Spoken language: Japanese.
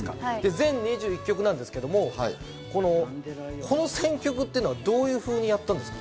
全２１曲なんですけれども、この選曲はどういうふうにやったんですか？